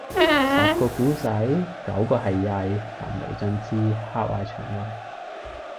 十個古仔，九個係曳，淋漓盡致，嚇壞腸胃